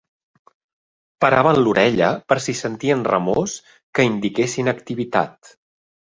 Paraven l'orella per si sentien remors que indiquessin activitat